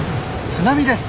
津波です！